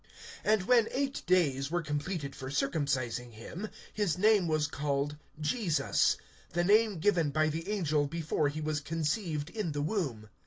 (21)And when eight days were completed for circumcising him, his name was called Jesus; the name given by the angel before he was conceived in the womb.